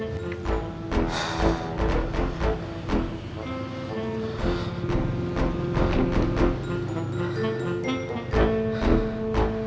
assalamualaikum warahmatullahi wabarakatuh